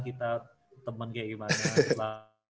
kita temen kayak gimana